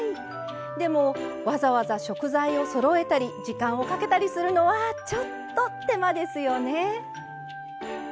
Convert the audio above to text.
でもわざわざ食材をそろえたり時間をかけたりするのはちょっと手間ですよね。